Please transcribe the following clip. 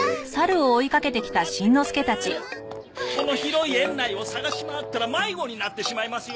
この広い園内を捜し回ったら迷子になってしまいますよ。